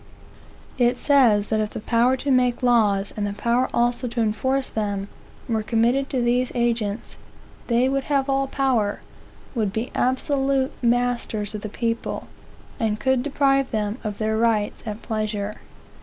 It says that if the power to make laws, and the power also to enforce them, were committed to these agents, they would have all power, would be absolute masters of the people, and could deprive them of their rights at pleasure.